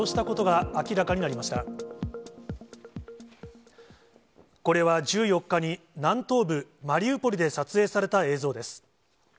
これは１４日に南東部マリウポリで撮影された映像です。